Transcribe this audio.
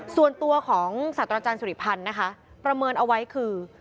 ส่วนตัวของสัตว์อาจารย์สุริพันธ์นะคะประเมินเอาไว้คือ